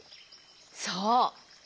そう。